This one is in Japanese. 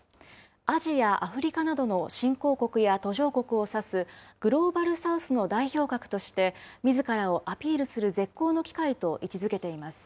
アジア、アフリカなどの新興国や途上国を指す、グローバル・サウスの代表格として、みずからをアピールする絶好の機会と位置づけています。